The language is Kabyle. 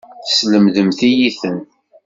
Teslemdemt-iyi-ten.